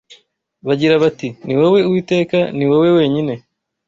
bagira bati: “Ni wowe Uwiteka, ni wowe wenyine